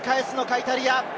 イタリア！